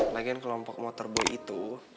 lagian kelompok motor boy itu